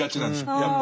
やっぱり。